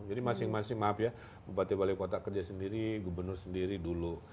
jadi masing masing maaf ya bupati wali kota kerja sendiri gubernur sendiri dulu